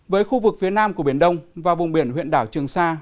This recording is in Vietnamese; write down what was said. với khu vực phía nam của biển đông và vùng biển huyện đảo trường sa